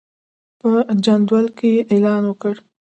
په جندول کې یې اعلان وکړ.